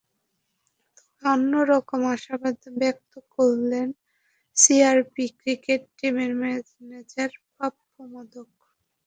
তবে অন্য রকম আশাবাদ ব্যক্ত করলেন সিআরপি ক্রিকেট টিমের ম্যানেজার পাপ্পু মোদক।